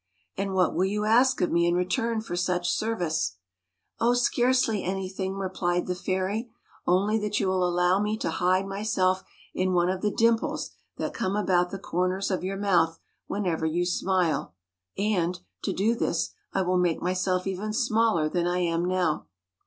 " And what will you ask of me in return for such service ?"" Oh, scarcely anything," replied the fairy: "only that you will allow me to hide myself in one of the dimples that come about the corners of your mouth whenever you smile ; and, to do this, I will make myself even smaller than I am now."